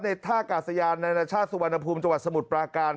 ในท่ากัดสยานณชาติสุวรรณภูมิจัวร์สมุทรปลาการ